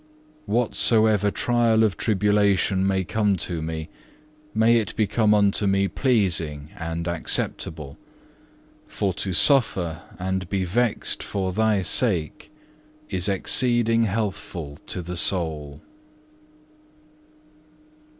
Whatsoever trial of tribulation may come to me, may it become unto me pleasing and acceptable, for to suffer and be vexed for Thy sake is exceeding healthful to the soul.